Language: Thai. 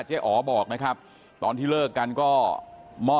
อ๋อบอกนะครับตอนที่เลิกกันก็มอบ